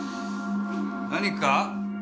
何か？